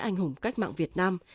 anh hùng cách mạng việt nam